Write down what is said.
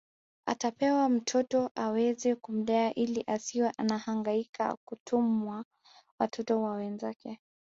Atapewa mtoto aweze kumlea ili asiwe anahangaika kutuma watoto wa wenzake